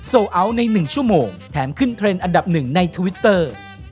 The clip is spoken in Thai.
โอัลใน๑ชั่วโมงแถมขึ้นเทรนด์อันดับหนึ่งในทวิตเตอร์